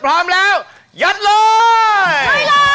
พร้อมแล้วยัดเลย